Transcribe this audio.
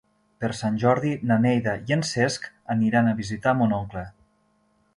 Per Sant Jordi na Neida i en Cesc aniran a visitar mon oncle.